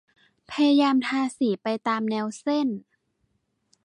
พยายามทาสีไปตามแนวเส้น